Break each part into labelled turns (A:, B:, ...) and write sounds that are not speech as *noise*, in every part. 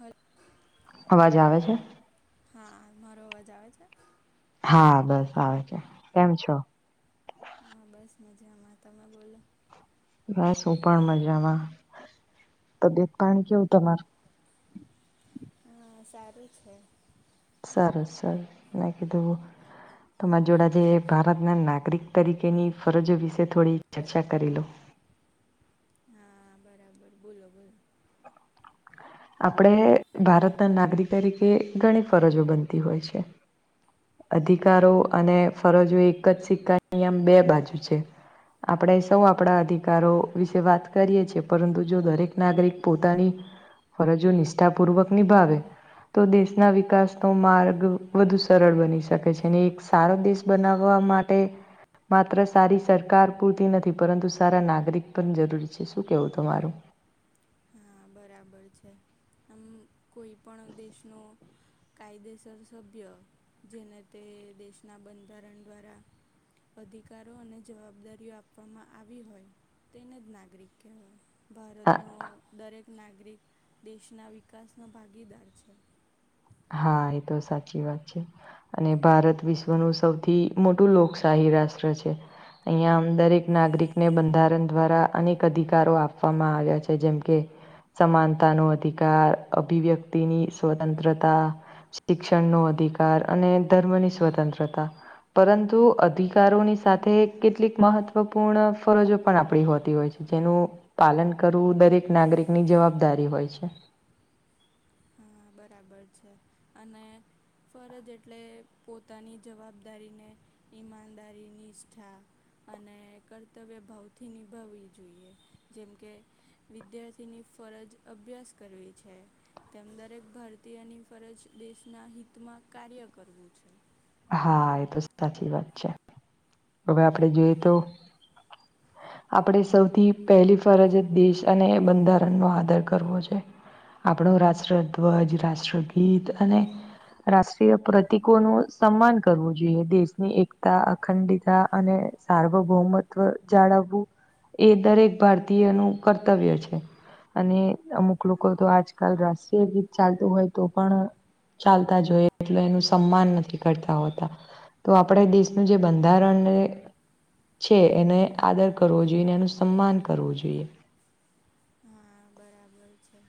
A: હ.
B: અવાજ આવે છે.
A: હા મારો અવાજ આવે છે.
B: હા બસ આવે છે, કેમ છો.
A: હા બસ મજામાં તમે બોલો.
B: બસ હું પણ મજામાં તબિયત પાણી કેવું તમારું,
A: હા સારું છે.
B: સરસ સરસ મે કિધુ. તમાર જોડે જે ભારતના નાગરિક તરીકેની ફરજો વિશે થોડી ચર્ચા કરી લો.
A: હા બરાબર બોલો બોલો.
B: આપણે ભારતના નાગરિક તરીકે ઘણી ફરજો બનતી હોય છે. અધિકારો અને ફરજો એક જ સિક્કા અહીં આમ બે બાજુ છે. આપણે સૌ આપણા અધિકારો વિશે વાત કરીએ છીએ, પરંતુ જો દરેક નાગરિક પોતાની. ફરજો નિષ્ઠાપૂર્વક નિભાવે. તો દેશના વિકાસનો માર્ગ વધુ સરળ બની શકે છે, અને એક સારો દેશ બનાવવા માટે. તે, માત્ર સારી સરકાર પૂરતી નથી, પરંતુ સારા નાગરિક પણ જરૂરી છે, શું કહેવું તમારું.
A: હા બરાબર છે, આમ કોઈ પણ દેશનો કાયદેસર સભ્ય જેને તે દેશના બંધારણ દ્વારા. અધિકારો અને જવાબદારીઓ આપવામાં આવી હોય. તેને જ નાગરિક કહેવાય.
B: હા
A: ભારતનો દરેક નાગરિક દેશના વિકાસનો ભાગીદાર છે.
B: હા એ તો સાચી વાત છે. અને ભારત વિશ્વનું સૌથી મોટું લોકશાહી રાષ્ટ્ર છે. અહીંયા દરેક નાગરિકને બંધારણ દ્વારા અનેક અધિકારો આપવામાં આવ્યા છે, જેમ કે. સમાનતાનો અધિકાર, અભિવ્યક્તિની સ્વતંત્રતા. શિક્ષણ નો અધિકાર અને ધર્મની સ્વતંત્રતા, પરંતુ અધિકારોની સાથે કેટલીક મહત્વપૂર્ણ ફરજો પણ આપણી હોતી હોય છે. જેનું પાલન કરવું દરેક નાગરિકની જવાબદારી હોય છે.
A: હા બરાબર છે, અને ફરજ એટલે પોતાની જવાબદારીને ઈમાનદારી નિષ્ઠા. અને કર્તવ્ય ભાવથી નિભાવવી જોઈએ જેમ કે, વિદ્યાર્થીની ફરજ અભ્યાસ કરવી છે, તેમ દરેક ભારતીયની ફરજ દેશના હિતમાં કાર્ય કરવું છે.
B: હા એ તો સાચી વાત છે, હવે આપડે જોઈએ તો આપણે સૌથી પહેલી ફરજ દેશ અને બંધારણનો આદર કરવો છે. આપણો રાષ્ટ્રધ્વજ રાષ્ટ્રગીત અને રાષ્ટ્રીય પ્રતિકોનું સન્માન કરવું જોઈએ દેશની એકતા અખંડતા અને સાર્વભૌમત. જાળવવું એ દરેક ભારતીય નું કર્તવ્ય છે. અને અમુક લોકો તો આજકાલ રાષ્ટ્રીય ગીત ચાલતું હોય, તો પણ. ચાલતા જોઈએ એટલે એનું સન્માન નથી. તા તો આપણે દેશનું જે બંધારણને. છે, એને આદર કરવો જોઈએ, અને એનું સન્માન કરવું જોઈએ.
A: હા બરાબર છે,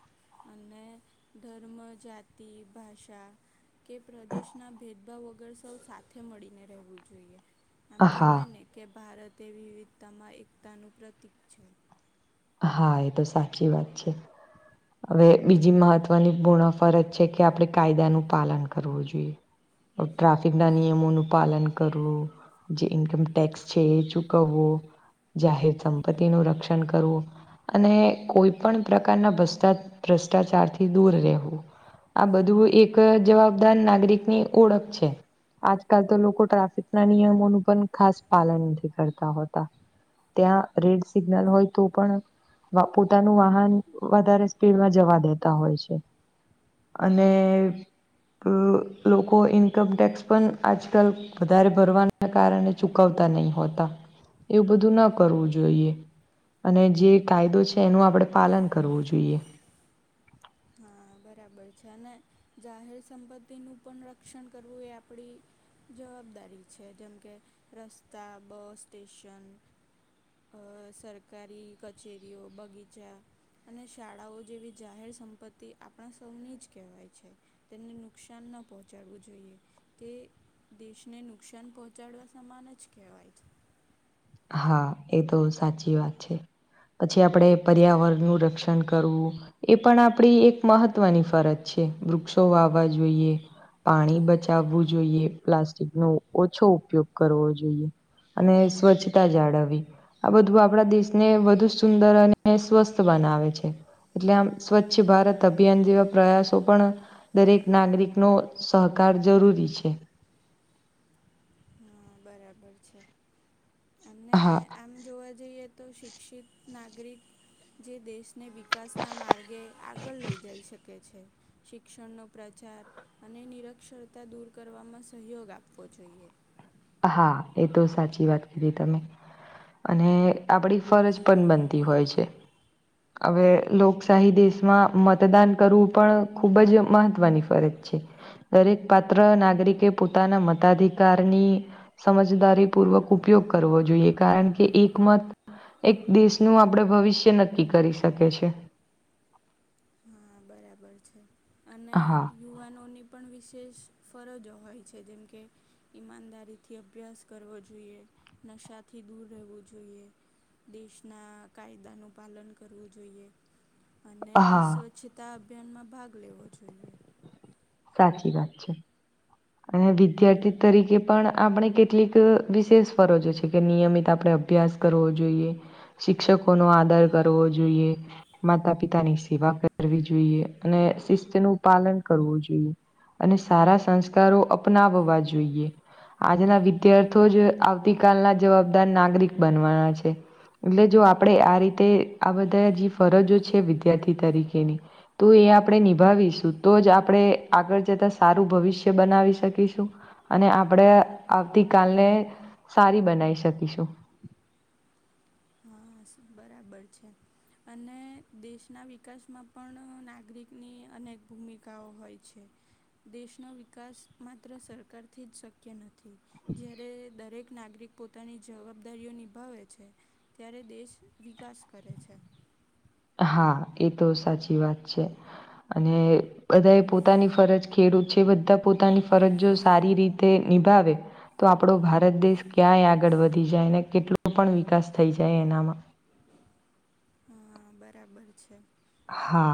A: અને ધર્મ જાતિ ભાષા. કે પ્રદેશના ભેદભાવ વગર સૌ સાથે મળીને રહેવું જોઈએ. આમ
B: હા
A: કહેવાય ને કે ભારત એ વિવિધતામાં એકતાનું પ્રતીક છે.
B: હા એ તો સાચી વાત છે. હવે બીજી મહત્વની પૂર્ણ ફરજ છે, કે આપણે કાયદાનું પાલન કરવું જોઈએ. ટ્રાફિકના નિયમોનું પાલન કરવું. જે ઇન્કમ ટેક્સ છે, એ ચૂકવવો જાહેર સંપત્તિ નું રક્ષણ કરવું. અને કોઈપણ પ્રકારનાર ભ્રષ્ટાચાર થી દૂર રહેવું. આ બધું એક જવાબદાર નાગરિકની ઓળખ છે. આજકાલ તો લોકો ટ્રાફિક ના નિયમોનું પણ ખાસ પાલન નથી કરતા હોતા ત્યાં રેડ સિગ્નલ હોય તો પણ પોતાનું વાહન વધારે સ્પીડમાં જવા દેતા હોય છે. અને લોકો ઇન્કમટેક્સ પણ આજકાલ વધારે ભરવાના કારણે ચુકવતા નહી હોતા. એવું બધું ના કરવું જોઈએ અને જે કાયદો છે એનું આપડણે પાલન કરવું જોઈએ
A: હા બરાબર છે અને જાહેર સંપત્તિનું પણ રક્ષણ કરવું એ આપડી જવાબદારી છે જેમ કે રસ્તા બસ સ્ટેશન અ સરકારી કચેરીઓ બગીચા અને શાળાઓ જેવી જાહેર સં પતિ આપણા સૌને જ કહેવાય છે તેમને નુકસાન ન પહોંચાડવું જોઈએ. તે દેશને નુકસાન પહોંચાડવા સમાન જ કહેવાય છે.
B: હા એ તો સાચી વાત છે. પછી આપણે પર્યાવરણનું રક્ષણ કરવું એ પણ આપણી એક મહત્વની ફરજ છે વૃક્ષો વાવવા જોઈએ પાણી બચાવવું જોઈએ પ્લાસ્ટિક નો ઓછો ઉપયોગ કરવો જોઈએ અને સ્વચ્છ જાળવી આ બધું આપણા દેશને વધુ સુંદર અને સ્વસ્થ બનાવે છે. એટલે આમ સ્વચ્છ ભારત અભિયાન જેવા પ્રયાસો પણ દરેક નાગરિકનો સહકાર જરૂરી છે.
A: હા બરાબર છે અને
B: હા
A: આમ જોવા જઈએ તો શિક્ષિત નાગરિક જે દેશને વિકાસના માર્ગે આગળ લઈ જઈ શકે છે. શિક્ષણનો પ્રચાર અને નિરક્ષરતા દૂર કરવામાં સહયોગ આપવો જોઈએ.
B: હા એ તો સાચી વાત કીધી તમે અને આપણી ફરજ પણ બનતી હોય છે. હવે લોકશાહી દેશમાં મતદાન કરવું પણ ખૂબ જ મહત્ત્વની છે દરેક પાત્ર નાગરિકે પોતાના મતાધિકારની સમજદારીપૂર્વક ઉપયોગ કરવો જોઈએ કારણ કે એકમત એક દેશનું આપડ ભવિષ્ય નક્કી કરી શકી છે.
A: હા બરાબર છે અને
B: હા
A: યુવાનોની પણ વિશેષ ફરજો હોય છે જેમ કે ઈમાનદારી થી અભ્યાસ કરવો જોઈએ નશાથી દૂર રહેવું જોઈએ દેશના કાયદાનું પાલન કરવું જોઈએ અને
B: હા
A: સ્વચ્છતા અભિયાનમાં ભાગ લેવો જોઈએ
B: સાચી વાત છે અને વિદ્યાર્થી તરીકે પણ આપણે કેટલીક વિશેષ ફરજો છે કે નિયમિત આપણે અભ્યાસ કરવો જોઈએ શિક્ષકો નો આદાર કરવો જોઈએ માતા પિતાની સેવા કરવી જોઈએ અને શિસ્ત નું પાલન કરવું જોઈએ અને સારા સંસ્કારો અપનાવવા જોઈએ આજના વિદ્યાર્થી જ આવતી કલના જવાબદાર નાગરિક બનવાના છે. એટલે જો આપણેે આ રીતે આ બધા જે ફરજો છે વિદ્યાર્થી તરીકેની તો એ આપણે નિભાવીશું તો જ આપણે આગળ જતા સારું ભવિષ્ય બનાવી શકીશું અને આપણેે આવતી કલને સારી બનાવી શકીશું
A: હ બરાબર છે અને દેશના વિકાસમાં પણ નાગરિકની અનેક ભૂમિકાઓ હોય છે દેશનો વિકાસ માત્ર સરકારથી જ શક્ શક્ય નથી જ્યારે દરેક નાગરિક પોતાની જવાબદારીઓ નિભાવે છે ત્યારે દેશ વિકાસ કરે છે
B: હા એ તો સાચી વાત છે અને બધા એ પોતાની ફરજ ખેડૂત છે બધા પોતાની ફરજ જો સારી રીતે નિભાવે તો આપણો ભારત દેશ ક્યાંય આગળ વધી જાય અને કેટલો પણ વિકાસ થઈ જાય એનામાં
A: હા બરાબર છે
B: હા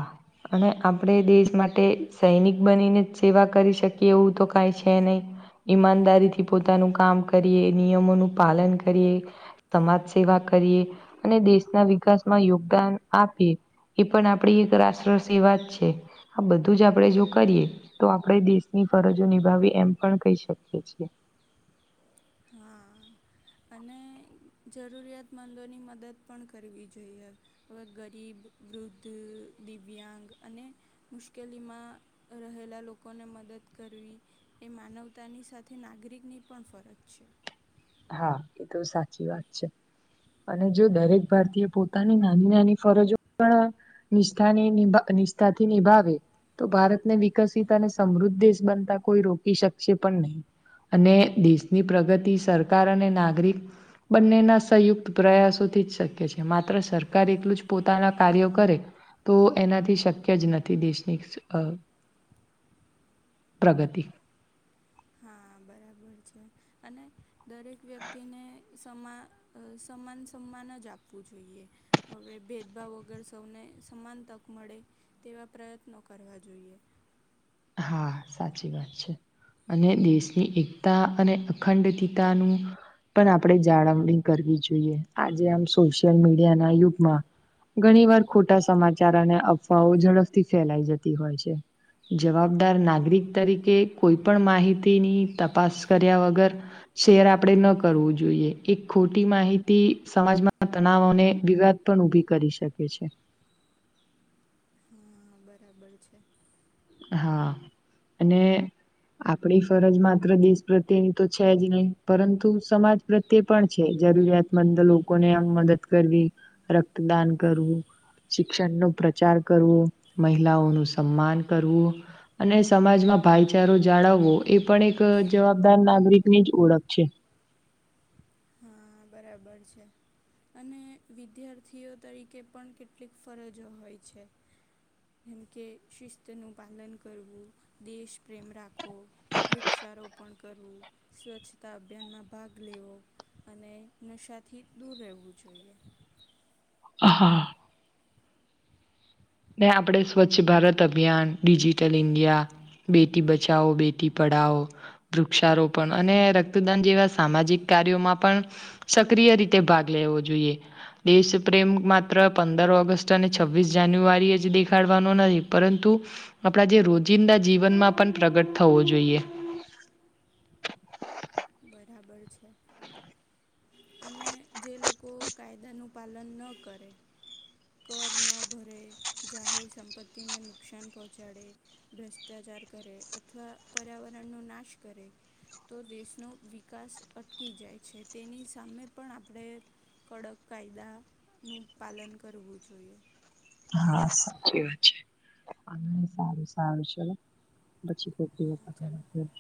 B: અને આપણે દેશ માટે સૈનિક બનીને જ સેવા કરી શકીએ એવું તો કઈ છે નહીં ઈમાનદારીથી પોતાનું કામ કરીએ નિયમોનું પાલન કરીએ સમાજ સેવા કરીએ અને દેશના વિકાસમાં યોગદાન આપીએ એ પણ આપણી એક રાષ્ટ્ર સેવા જ છે આ બધું જો આપણે જો કરીએ તો આપણેે દેશની ફરજો નિભાવી એમ પણ કહી શકીએ છીએ
A: હા અને જરૂરિયાતમંદોની મદદ પણ કરવી જોઈએ હવે ગરીબ વૃદ્ધ દિવ્યાંગ અને મુશ્કેલીમાં રહેલા લોકોને મદદ કરવી એ માનવતાની સાથે નાગરિકની પણ ફરજ છે
B: હા એ તો સાચી વાત છે અને જો દરેક ભારતીય પોતાની નાની નાની ફરજો પણ નિષ્ઠાની નિ નિષ્ઠાથી નિભાવે તો ભારતને વિકસિત અને સમૃદ્ધ દેશ બનતા કોઈ રોકી શકશે પણ નહીં અને દેશની પ્રગતિ સરકાર અને નાગરિક બંનેના સંયુક્ત પ્રયાસોથી જ શક્ય છે માત્ર સરકાર એટલું જ પોતાના કાર્યો કરે તો એનાથી શક્ય જ નથી દેશની પ્રગતિ
A: હા બરાબર છે અને દરેક વ્યક્તિને સમા અ સમાન સમાન જ આપવું જોઈએ હવે ભેદભાવ વગર સૌને સમાન તક મળે તેવા પ્રયત્નો કરવા જોઈએ
B: હા સાચી વાત છે અને દેશની એકતા અને અખંડીતાનું પણ આપણે જાળવણી કરવી જોઈએ આજે આમ સોશિયલ મીડિયા ના યુગમાં ઘણી વાર ખોટા સમાચાર અને અફવાઓ ઝડપથી ફેલાઈ જતી હોય છે જવાબદાર નાગરિક તરીકે કોઈપણ માહિતીની તપાસ કર્યા વગર શેર આપડે ન કરવું જોઈએ એક ખોટી માહિતી સમાજમાં તનાવ ને વિગ *unintelligible* પણ ઉભી કરી શકે છે
A: હા બરાબર છે
B: હા અને આપણી ફરજ માત્ર દેશ પ્રત્યેની તો છે જ નહીં પરંતુ સમાજ પ્રત્યે પણ છે જરૂરિયાતમંદ લોકોને આમ મદદ કરવી રક્તદાન કરવું શિક્ષણ નો પ્રચાર કરવો મહિલાઓ નું સન્માન કરવું અને સમાજમાં ભાઈચારો જાળવવો એ પણ એક જવાબદાર નાગરિક ની જ ઓળખ છે
A: હા બરાબર છે અને વિદ્યાર્થીઓ તરીકે પણ કેટલીક ફરજો હોય છે જેમકે શિસ્તનું પાલન કરવું દેશ પ્રેમ રાખવો વૃક્ષારોપણ કરવું સ્વચ્છતા અભિયાનમાં ભાગ લેવો અને નશાથી દૂર રહેવું જોઈએ
B: આ હા ને આપણે સ્વચ્છ ભારત અભિયાન ડિજિટલ ઇન્ડિયા બેટી બચાઓ બેટી પઢાઓ વૃક્ષારોપણ અને રક્તદાન જેવા સામાજિક કાર્યોમાં પણ સક્રિય રીતે ભાગ લેવો જોઈએ દેશ પ્રેમ માત્ર પંદર ઓગસ્ટ અને છવ્વીસ જાન્યુઆરી દેખાડવાનો નહી પરંતુ આપણા જે રોજિંદા જીવનમાં પણ પ્રગટ થવો જોઈએ
A: બરાબર છે અને જે લોકો કાયદાનું પાલન ન કરે કર ન ભરે જાહેર સંપત્તિને નુકસાન પહોંચાડે ભ્રષ્ટાચાર કરે અથવા પર્યાવરણનો નાશ કરે તો દેશનો વિકાસ અટકી જાય છે તેની સામે પણ આપણે કડક કાયદાનું પાલન કરવું જોઈએ
B: હા સાચી વાત છે સારું સારું છે પછી શ
A: હા, ચાલો
B: વા *inaudible*